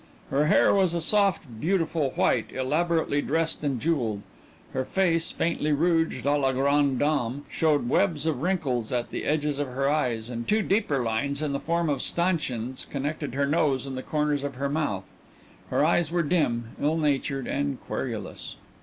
Her hair was a soft, beautiful white, elaborately dressed and jewelled; her face, faintly rouged à la grande dame, showed webs of wrinkles at the edges of her eyes and two deeper lines in the form of stanchions connected her nose with the corners of her mouth. Her eyes were dim, ill natured, and querulous.